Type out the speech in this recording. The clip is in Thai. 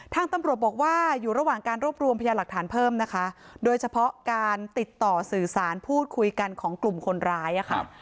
ทางตำรวจบอกว่าอยู่ระหว่างการรวบรวมพยานหลักฐานเพิ่มนะคะโดยเฉพาะการติดต่อสื่อสารพูดคุยกันของกลุ่มคนร้ายค่ะ